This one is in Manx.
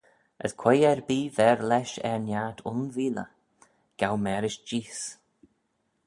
As quoi-erbee ver lesh oo er niart un veeley, gow mârish jees.